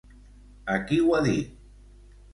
A qui ho ha dit?